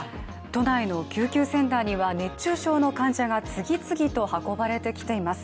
都内の救急センターには熱中症の患者が次々と運ばれてきています。